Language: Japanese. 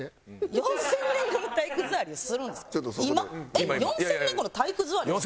えっ４０００年後の体育座りですか？